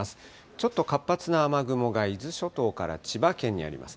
ちょっと活発な雨雲が伊豆諸島から千葉県にあります。